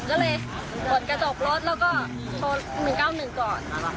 ก็เลยกดกระจกรถแล้วก็โทร๑๙๑ก่อน